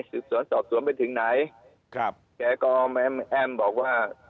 เป็นไงส่วนตอบส่วนไปถึงไหนครับแกกรมแอ้มแอ้มบอกว่า